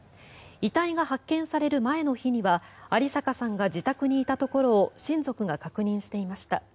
遺体が発見される前の日には有坂さんが自宅にいたところを親族が確認していました。